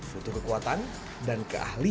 foto kekuatan dan keahlian